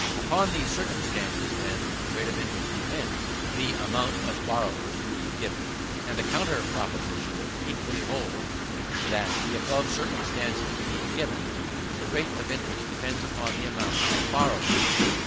Upon these circumstances, then, the rate of interest depends, the amount of borrowers being given. And the counter proposition equally holds, that, the above circumstances being given, the rate of interest depends upon the amount of borrowers.